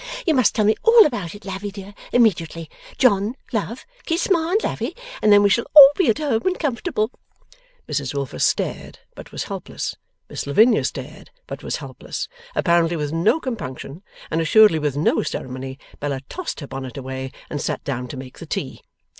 You must tell me all about it, Lavvy dear, immediately. John, love, kiss Ma and Lavvy, and then we shall all be at home and comfortable.' Mrs Wilfer stared, but was helpless. Miss Lavinia stared, but was helpless. Apparently with no compunction, and assuredly with no ceremony, Bella tossed her bonnet away, and sat down to make the tea.